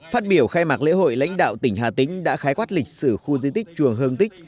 phát biểu khai mạc lễ hội lãnh đạo tỉnh hà tĩnh đã khái quát lịch sử khu di tích chùa hương tích